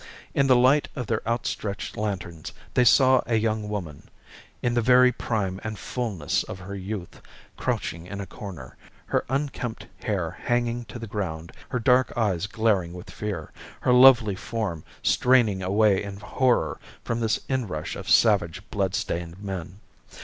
In the light of their outstretched lanterns they saw a young woman, in the very prime and fullness of her youth, crouching in a corner, her unkempt hair hanging to the ground, her dark eyes glaring with fear, her lovely form straining away in horror from this inrush of savage blood stained men.